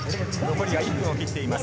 残りは１分を切っています。